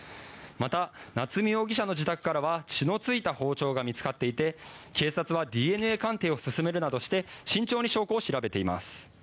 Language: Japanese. また、夏見容疑者の自宅からは血の付いた包丁が見つかっていて警察はＤＮＡ鑑定を進めるなどして慎重に証拠を調べています。